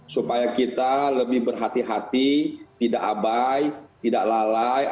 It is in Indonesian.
supaya kita lebih berhati hati tidak abai tidak lalai